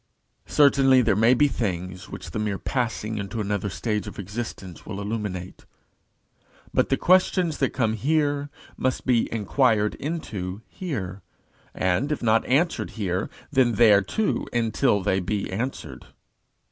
Certainly there may be things which the mere passing into another stage of existence will illuminate; but the questions that come here, must be inquired into here, and if not answered here, then there too until they be answered.